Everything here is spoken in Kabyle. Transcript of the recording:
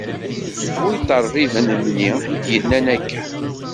D bu iṭerbiben-nni i yi-d-yennan akka.